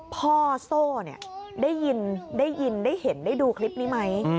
พ่อโซ่ได้ยินได้เห็นได้ดูคลิปนี้ไหม